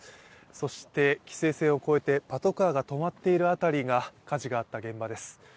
そして規制線を超えてパトカーが止まっているあたりが火事があった現場です。